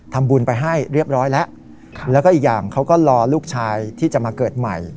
ทำบุญไปให้เรียบร้อยแล้วแล้วก็อีกอย่างเขาก็รอลูกชายที่จะมาเกิดใหม่